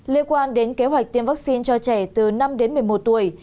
lê quang đến kế hoạch tiêm vaccine cho trẻ từ năm đến một mươi tuổi